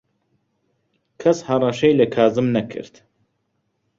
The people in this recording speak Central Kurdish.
کەس هەڕەشەی لە کازم نەکرد.